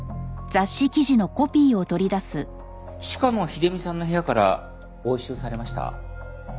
鹿野秀美さんの部屋から押収されました。